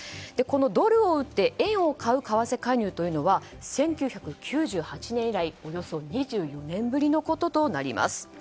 ドルを売って円を買う為替介入というのは１９９８年以来およそ２４年ぶりのこととなります。